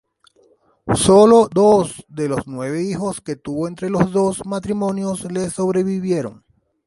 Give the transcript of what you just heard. Sólo dos de los nueve hijos que tuvo entre los dos matrimonios le sobrevivieron.